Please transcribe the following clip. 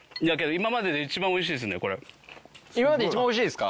今までで一番おいしいですか？